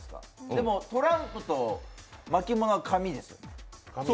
でもトランプとまきものは紙ですよね